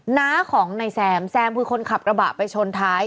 น้าของนายแซมแซมคือคนขับกระบะไปชนท้าย